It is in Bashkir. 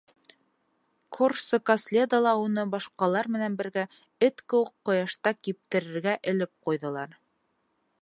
Корсо-Каследала уны ла, башҡалар менән бергә, эт кеүек, ҡояшта киптерергә элеп ҡуйҙылар.